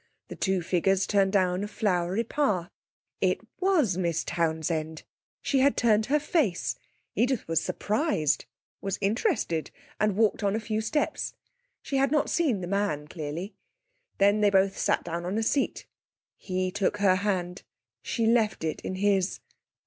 The two figures turned down a flowery path.... It was Miss Townsend! She had turned her face. Edith was surprised, was interested, and walked on a few steps. She had not seen the man clearly. Then they both sat down on a seat. He took her hand. She left it in his.